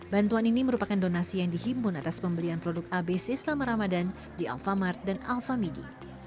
bantuan ini merupakan donasi yang dihimpun atas pembelian produk abc selama ramadan di alfamart dan alfamidi